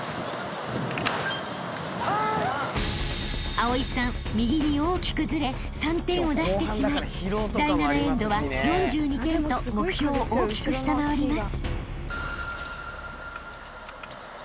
［蒼さん右に大きくずれ３点を出してしまい第７エンドは４２点と目標を大きく下回ります］